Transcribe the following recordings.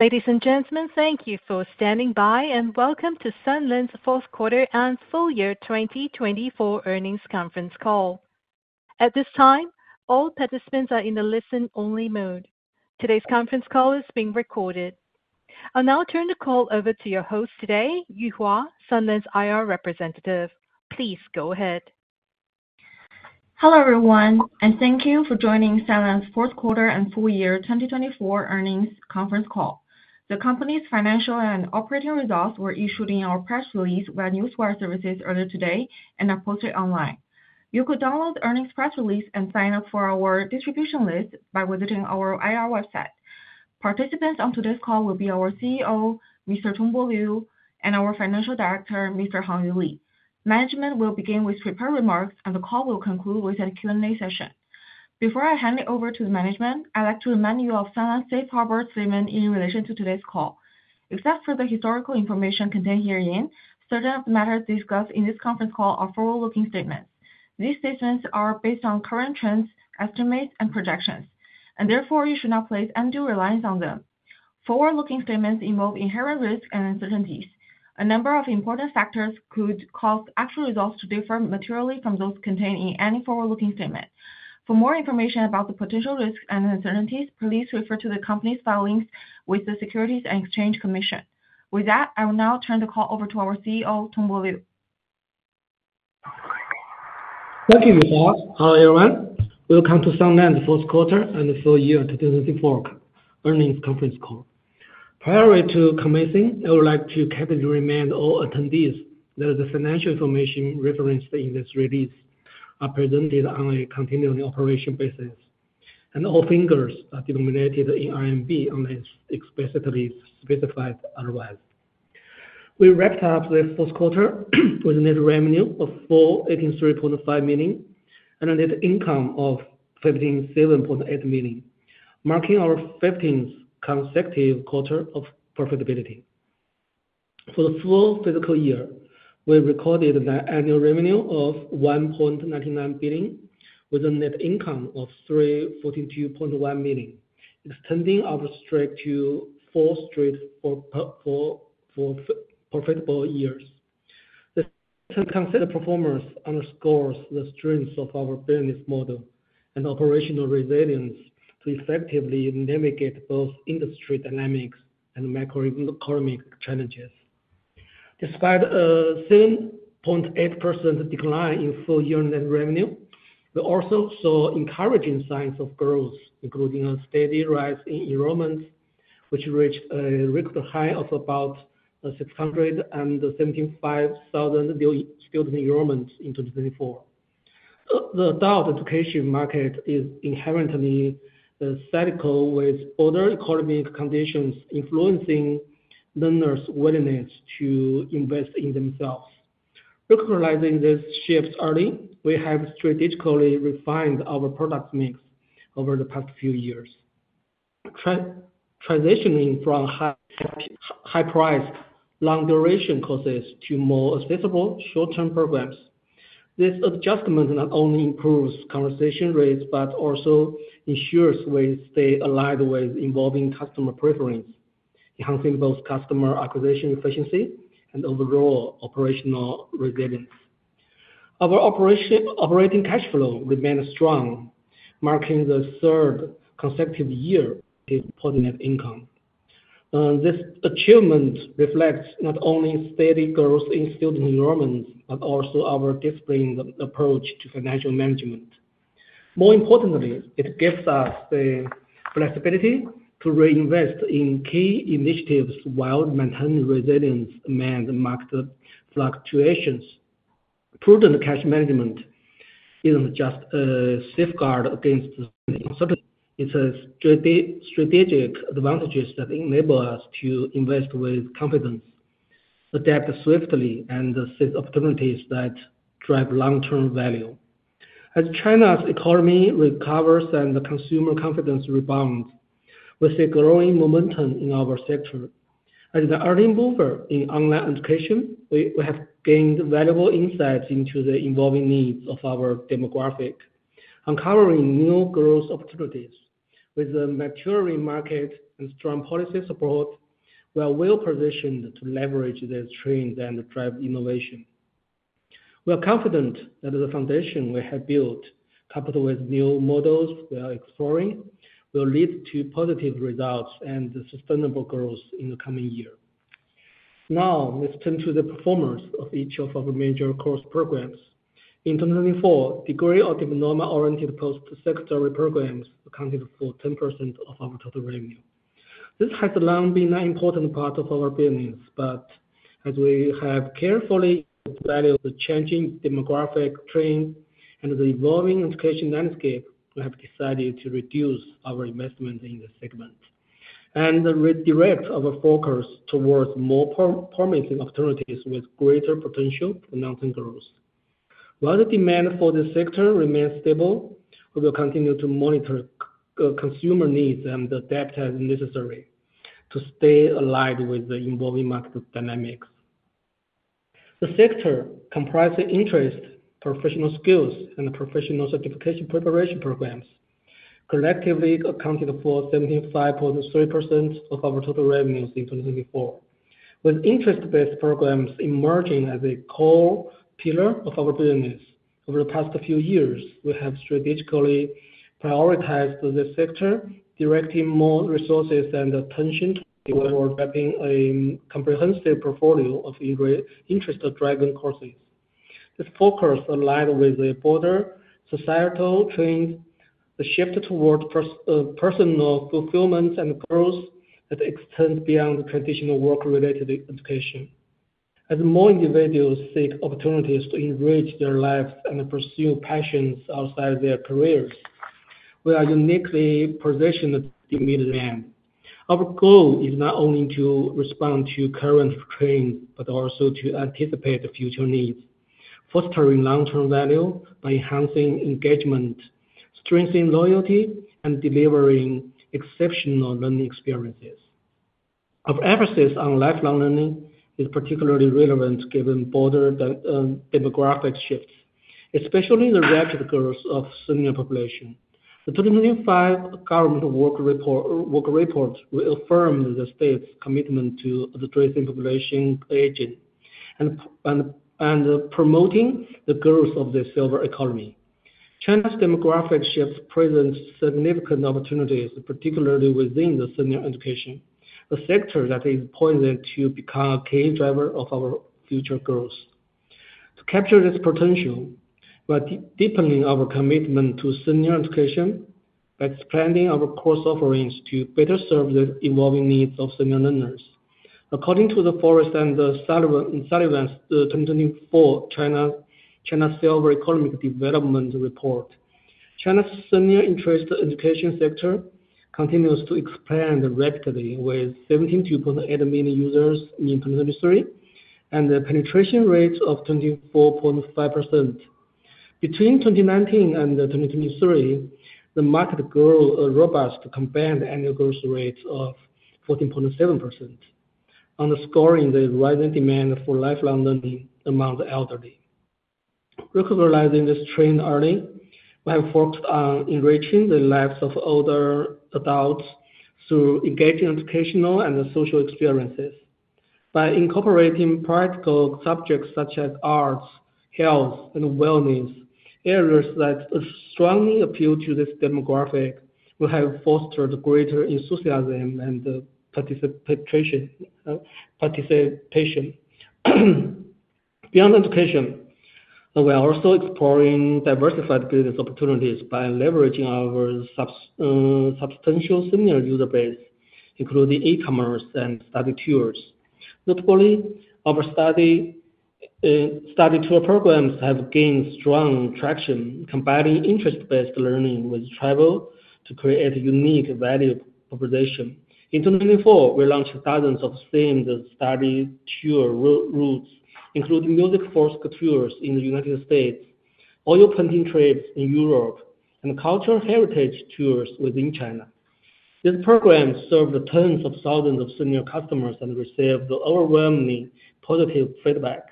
Ladies and gentlemen, thank you for standing by, and welcome to Sunlands' Q4 and full year 2024 earnings Conference Call. At this time, all participants are in the listen-only mode. Today's Conference Call is being recorded. I'll now turn the call over to your host today, Yuhua, Sunlands' IR representative. Please go ahead. Hello, everyone, and thank you for joining Sunlands Technology Group's Q4 and full year 2024 earnings Conference Call. The company's financial and operating results were issued in our press release via NewsWire Services earlier today and are posted online. You could download the earnings press release and sign up for our distribution list by visiting our IR website. Participants on today's call will be our CEO, Mr. Tongbo Liu, and our Financial Director, Mr. Hangyu Li. Management will begin with prepared remarks, and the call will conclude with a Q&A session. Before I hand it over to the management, I'd like to remind you of Sunlands Technology Group's safe harbor statement in relation to today's call. Except for the historical information contained herein, certain of the matters discussed in this Conference Call are forward-looking statements. These statements are based on current trends, estimates, and projections, and therefore you should not place undue reliance on them. Forward-looking statements involve inherent risks and uncertainties. A number of important factors could cause actual results to differ materially from those contained in any forward-looking statement. For more information about the potential risks and uncertainties, please refer to the company's filings with the Securities and Exchange Commission. With that, I will now turn the call over to our CEO, Tongbo Liu. Thank you, Yuhua. Hello, everyone. Welcome to Sunlands' Q4 and full year 2024 earnings Conference Call. Prior to commencing, I would like to cater to remind all attendees that the financial information referenced in this release is presented on a continuing operation basis, and all figures are denominated in RMB unless explicitly specified otherwise. We wrapped up this Q4 with a net revenue of 483.5 million and a net income of 157.8 million, marking our 15th consecutive quarter of profitability. For the full fiscal year, we recorded an annual revenue of 1.99 billion with a net income of 342.1 million, extending our streak to four straight profitable years. The consistent performance underscores the strength of our business model and operational resilience to effectively navigate both industry dynamics and macroeconomic challenges. Despite a 7.8% decline in full year net revenue, we also saw encouraging signs of growth, including a steady rise in enrollments, which reached a record high of about 675,000 new student enrollments in 2024. The adult education market is inherently cyclical, with other economic conditions influencing learners' willingness to invest in themselves. Recognizing these shifts early, we have strategically refined our product mix over the past few years, transitioning from high-priced, long-duration courses to more accessible short-term programs. This adjustment not only improves conversion rates but also ensures we stay aligned with evolving customer preferences, enhancing both customer acquisition efficiency and overall operational resilience. Our operating cash flow remained strong, marking the third consecutive year of positive net income. This achievement reflects not only steady growth in student enrollments but also our disciplined approach to financial management. More importantly, it gives us the flexibility to reinvest in key initiatives while maintaining resilience amid market fluctuations. Prudent cash management is not just a safeguard against uncertainty, it is a strategic advantage that enables us to invest with confidence, adapt swiftly, and seize opportunities that drive long-term value. As China's economy recovers and consumer confidence rebounds, we see growing momentum in our sector. As the early mover in online education, we have gained valuable insights into the evolving needs of our demographic, uncovering new growth opportunities. With a maturing market and strong policy support, we are well-positioned to leverage these trends and drive innovation. We are confident that the foundation we have built, coupled with new models we are exploring, will lead to positive results and sustainable growth in the coming year. Now, let's turn to the performance of each of our major course programs. In 2024, degree or diploma-oriented post-secondary programs accounted for 10% of our total revenue. This has long been an important part of our business, but as we have carefully evaluated the changing demographic trends and the evolving education landscape, we have decided to reduce our investment in this segment and redirect our focus towards more promising opportunities with greater potential for downstream growth. While the demand for this sector remains stable, we will continue to monitor consumer needs and adapt as necessary to stay aligned with the evolving market dynamics. The sector comprises interest, professional skills, and professional certification preparation programs, collectively accounting for 75.3% of our total revenues in 2024. With interest-based programs emerging as a core pillar of our business over the past few years, we have strategically prioritized this sector, directing more resources and attention towards developing a comprehensive portfolio of interest-driving courses. This focus aligns with the broader societal trends, the shift towards personal fulfillment, and growth that extends beyond traditional work-related education. As more individuals seek opportunities to enrich their lives and pursue passions outside their careers, we are uniquely positioned to meet them. Our goal is not only to respond to current trends but also to anticipate future needs, fostering long-term value by enhancing engagement, strengthening loyalty, and delivering exceptional learning experiences. Our emphasis on lifelong learning is particularly relevant given broader demographic shifts, especially the rapid growth of the senior population. The 2025 government work report reaffirmed the state's commitment to addressing population aging and promoting the growth of the silver economy. China's demographic shifts present significant opportunities, particularly within the senior education, a sector that is poised to become a key driver of our future growth. To capture this potential, we are deepening our commitment to senior education by expanding our course offerings to better serve the evolving needs of senior learners. According to the Frost & Sullivan 2024 China Silver Economic Development Report, China's senior interest education sector continues to expand rapidly with 72.8 million users in 2023 and a penetration rate of 24.5%. Between 2019 and 2023, the market grew robustly compound the annual growth rate of 14.7%, underscoring the rising demand for lifelong learning among the elderly. Recognizing this trend early, we have focused on enriching the lives of older adults through engaging educational and social experiences. By incorporating practical subjects such as arts, health, and wellness, areas that strongly appeal to this demographic, we have fostered greater enthusiasm and participation. Beyond education, we are also exploring diversified business opportunities by leveraging our substantial senior user base, including e-commerce and study tours. Notably, our study tour programs have gained strong traction, combining interest-based learning with travel to create a unique value proposition. In 2024, we launched thousands of themed study tour routes, including music forest tours in the United States, oil painting trips in Europe, and cultural heritage tours within China. These programs served tens of thousands of senior customers and received overwhelmingly positive feedback.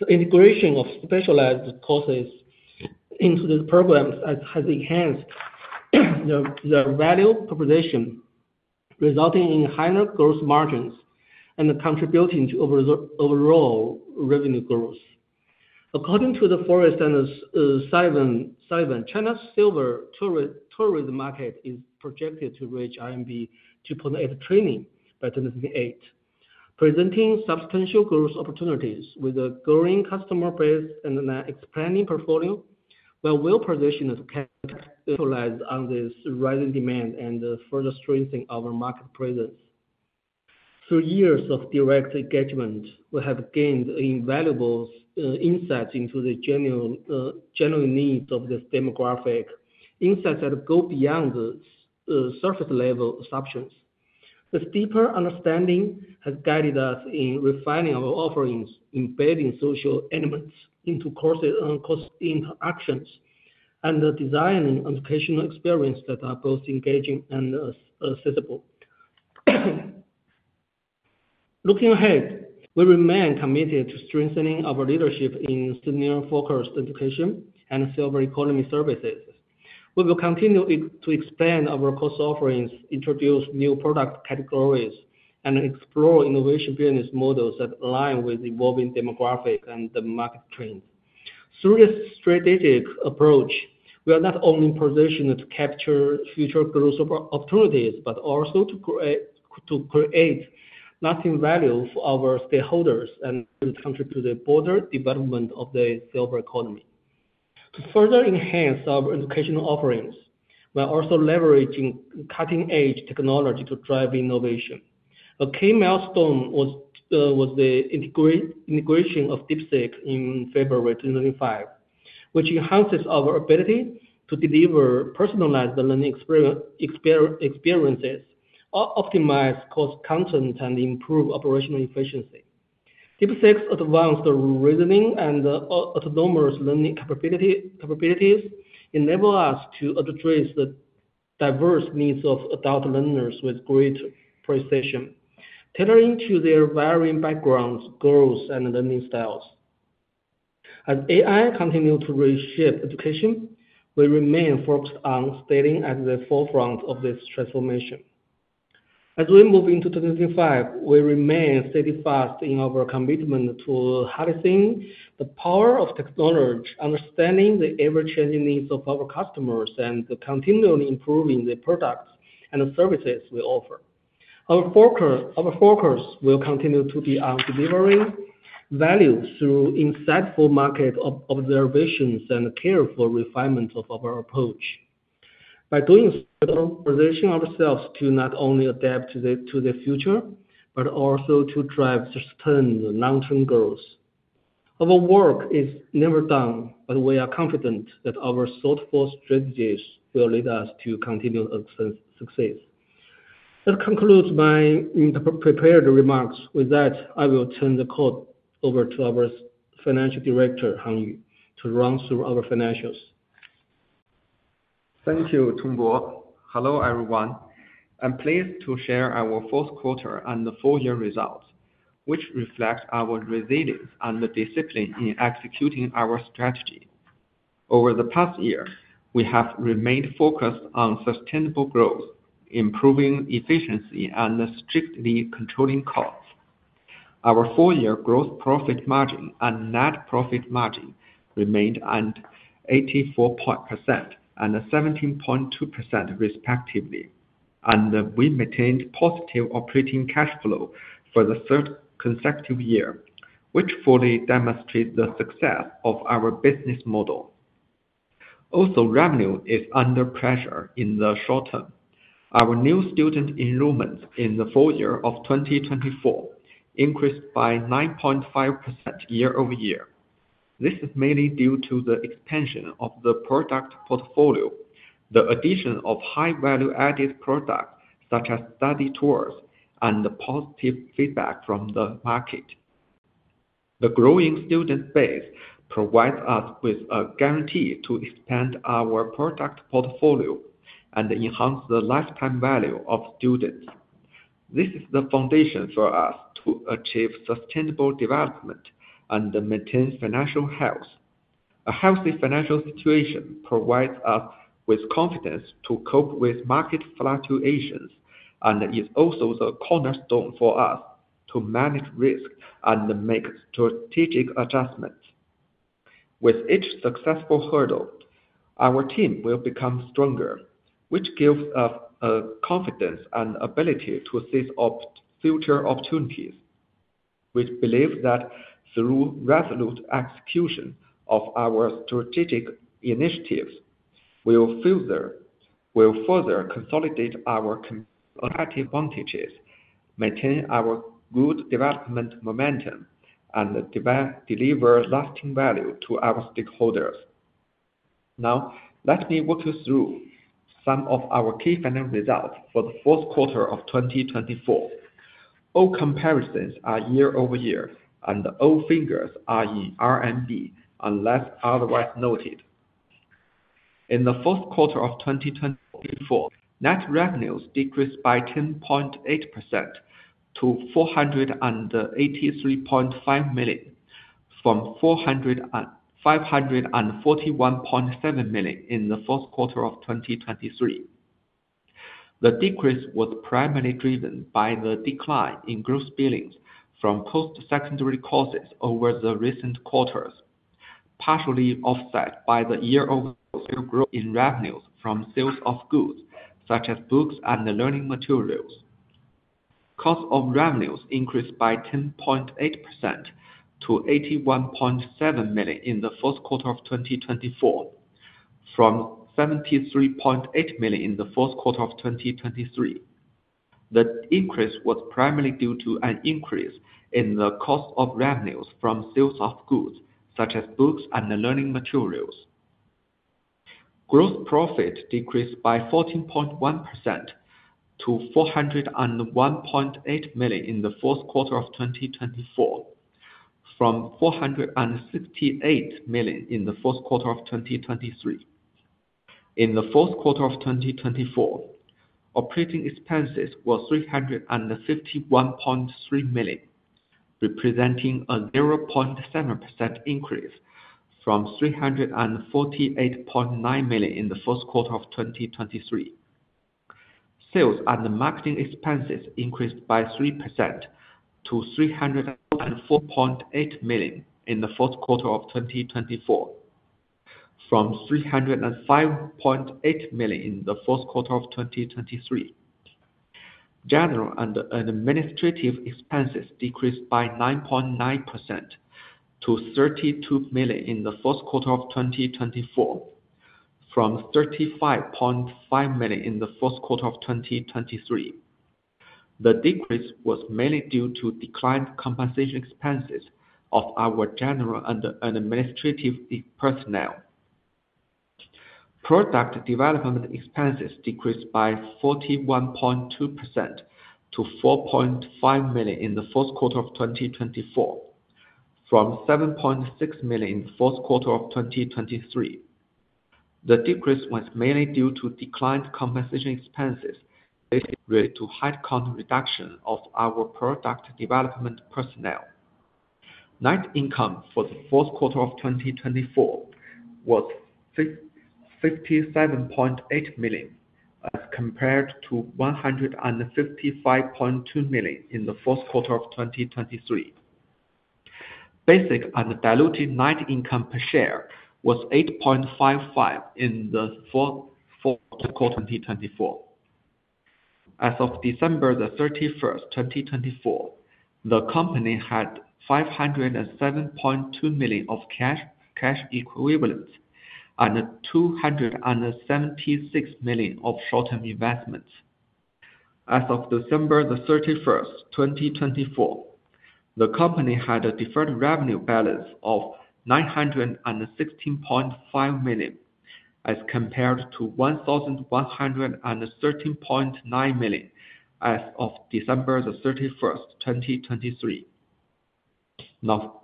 The integration of specialized courses into these programs has enhanced their value proposition, resulting in higher gross margins and contributing to overall revenue growth. According to Frost & Sullivan, China's silver tourism market is projected to reach 2.8 trillion by 2028, presenting substantial growth opportunities with a growing customer base and an expanding portfolio, where well-positioned capital. Utilize this rising demand and further strengthen our market presence. Through years of direct engagement, we have gained invaluable insights into the general needs of this demographic, insights that go beyond surface-level assumptions. This deeper understanding has guided us in refining our offerings, embedding social elements into course interactions, and designing educational experiences that are both engaging and accessible. Looking ahead, we remain committed to strengthening our leadership in senior-focused education and silver economy services. We will continue to expand our course offerings, introduce new product categories, and explore innovation business models that align with evolving demographics and market trends. Through this strategic approach, we are not only positioned to capture future growth opportunities but also to create lasting value for our stakeholders and contribute to the broader development of the silver economy. To further enhance our educational offerings, we are also leveraging cutting-edge technology to drive innovation. A key milestone was the integration of DeepSeek in February 2025, which enhances our ability to deliver personalized learning experiences, optimize course content, and improve operational efficiency. DeepSeek's advanced reasoning and autonomous learning capabilities enable us to address the diverse needs of adult learners with greater precision, tailoring to their varying backgrounds, goals, and learning styles. As AI continues to reshape education, we remain focused on staying at the forefront of this transformation. As we move into 2025, we remain steadfast in our commitment to harnessing the power of technology, understanding the ever-changing needs of our customers, and continually improving the products and services we offer. Our focus will continue to be on delivering value through insightful market observations and careful refinement of our approach. By doing so, we are positioning ourselves to not only adapt to the future but also to drive sustained long-term growth. Our work is never done, but we are confident that our thoughtful strategies will lead us to continued success. That concludes my prepared remarks. With that, I will turn the call over to our Financial Director, Hangyu Li, to run through our financials. Thank you, Tongbo Liu. Hello everyone. I'm pleased to share our Q4 and the full year results, which reflect our resilience and discipline in executing our strategy. Over the past year, we have remained focused on sustainable growth, improving efficiency, and strictly controlling costs. Our full-year gross profit margin and net profit margin remained at 84.2% and 17.2%, respectively, and we maintained positive operating cash flow for the third consecutive year, which fully demonstrates the success of our business model. Also, revenue is under pressure in the short term. Our new student enrollments in the full year of 2024 increased by 9.5% year over year. This is mainly due to the expansion of the product portfolio, the addition of high-value-added products such as study tours, and the positive feedback from the market. The growing student base provides us with a guarantee to expand our product portfolio and enhance the lifetime value of students. This is the foundation for us to achieve sustainable development and maintain financial health. A healthy financial situation provides us with confidence to cope with market fluctuations and is also the cornerstone for us to manage risk and make strategic adjustments. With each successful hurdle, our team will become stronger, which gives us confidence and ability to seize future opportunities. We believe that through resolute execution of our strategic initiatives, we will further consolidate our competitive advantages, maintain our good development momentum, and deliver lasting value to our stakeholders. Now, let me walk you through some of our key financial results for the Q4 of 2024. All comparisons are year over year, and all figures are in RMB unless otherwise noted. In the Q4 of 2024, net revenues decreased by 10.8% to 483.5 million, from 541.7 million in the Q4 of 2023. The decrease was primarily driven by the decline in gross billings from post-secondary courses over the recent quarters, partially offset by the year-over-year growth in revenues from sales of goods such as books and learning materials. Cost of revenues increased by 10.8% to 81.7 million in the Q4 of 2024, from 73.8 million in the Q4 of 2023. The increase was primarily due to an increase in the cost of revenues from sales of goods such as books and learning materials. Gross profit decreased by 14.1% to 401.8 million in the Q4 of 2024, from 468 million in the Q4 of 2023. In the Q4 of 2024, operating expenses were 351.3 million, representing a 0.7% increase from 348.9 million in the Q4 of 2023. Sales and marketing expenses increased by 3% to 304.8 million in the Q4 of 2024, from 305.8 million in the Q4 of 2023. General and administrative expenses decreased by 9.9% to 32 million in the Q4 of 2024, from 35.5 million in the Q4 of 2023. The decrease was mainly due to declined compensation expenses of our general and administrative personnel. Product development expenses decreased by 41.2% to 4.5 million in the Q4 of 2024, from 7.6 million in the Q4 of 2023. The decrease was mainly due to declined compensation expenses related to headcount reduction of our product development personnel. Net income for the Q4 of 2024 was 57.8 million, as compared to 155.2 million in the Q4 of 2023. Basic and diluted net income per share was 8.55 in the Q4 of 2024. As of December 31, 2024, the company had 507.2 million of cash equivalents and 276 million of short-term investments. As of December 31, 2024, the company had a deferred revenue balance of 916.5 million, as compared to 1,113.9 million as of December 31, 2023. Now,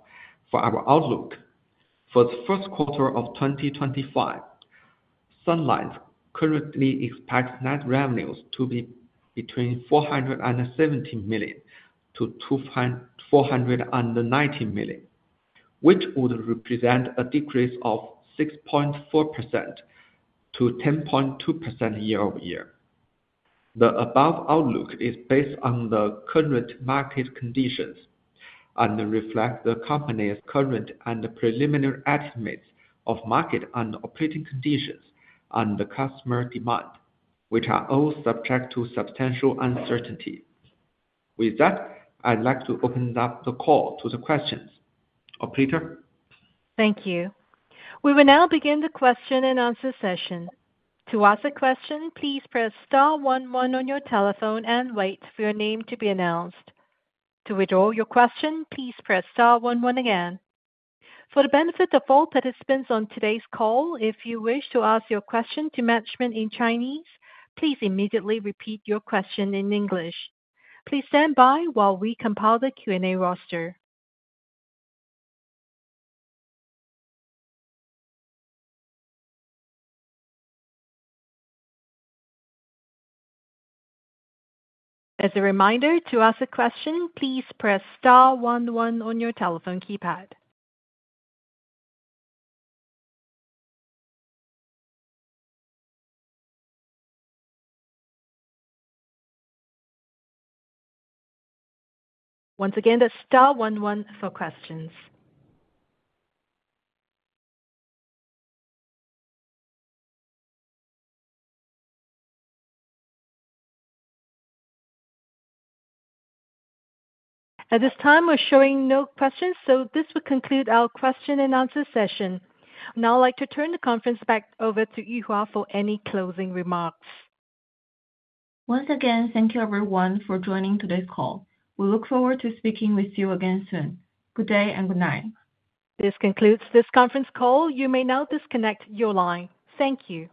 for our outlook for the Q1 of 2025, Sunlands currently expects net revenues to be between 470 million and 490 million, which would represent a decrease of 6.4% to 10.2% year over year. The above outlook is based on the current market conditions and reflects the company's current and preliminary estimates of market and operating conditions and customer demand, which are all subject to substantial uncertainty. With that, I'd like to open up the call to the questions. Operator. Thank you. We will now begin the question and answer session. To ask a question, please press star 11 on your telephone and wait for your name to be announced. To withdraw your question, please press star 11 again. For the benefit of all participants on today's call, if you wish to ask your question to management in Chinese, please immediately repeat your question in English. Please stand by while we compile the Q&A roster. As a reminder, to ask a question, please press star 11 on your telephone keypad. Once again, that's star 11 for questions. At this time, we're showing no questions, so this will conclude our question and answer session. Now I'd like to turn the conference back over to Yuhua for any closing remarks. Once again, thank you everyone for joining today's call. We look forward to speaking with you again soon. Good day and good night. This concludes this Conference Call. You may now disconnect your line. Thank you.